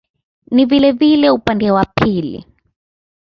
Ni vilevile upande wa pili.